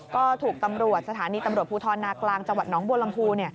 ก็ถูกตำรวจสถานีตำรวจภูทรนากลางจังหวัดน้องบัวลำพู